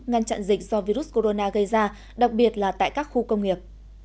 ngăn chặn dịch do virus corona gây ra đặc biệt là tại các khu công nghiệp